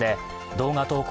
動画投稿